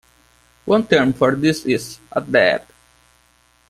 One term for this is "adab".